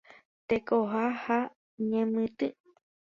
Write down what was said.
Tekoha ha ñemitỹ.